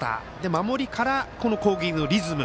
守りからこの攻撃のリズム。